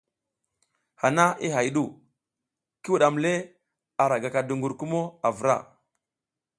Hana i hay ɗu, ki wuɗam le, ara gaka duƞgur kumo a vra.